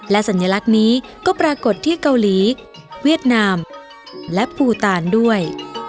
สัญลักษณ์นี้ก็ปรากฏที่เกาหลีเวียดนามและภูตานด้วย